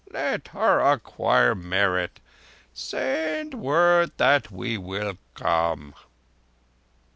"Let her acquire merit. Send word that we will come."